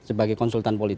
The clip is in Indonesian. sebagai konsultan politik